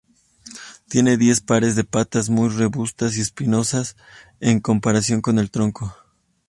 Tienen diez pares de patas, muy robustas y espinosas en comparación con el tronco.